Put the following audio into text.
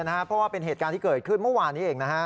เพราะว่าเป็นเหตุการณ์ที่เกิดขึ้นเมื่อวานนี้เองนะฮะ